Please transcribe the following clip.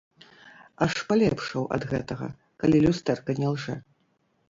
Аж палепшаў ад гэтага, калі люстэрка не лжэ.